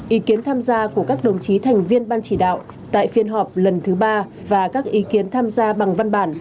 ý kiến tham gia của các đồng chí thành viên ban chỉ đạo tại phiên họp lần thứ ba và các ý kiến tham gia bằng văn bản